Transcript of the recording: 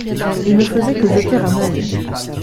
Il ne faisait que jeter un œil.